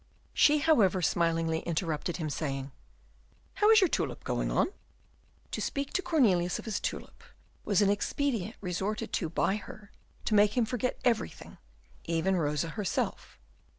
She, however, smilingly interrupted him, saying, "How is your tulip going on?" To speak to Cornelius of his tulip was an expedient resorted to by her to make him forget everything, even Rosa herself.